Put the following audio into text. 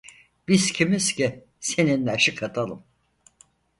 Biz kimiz ki, seninle aşık atalım?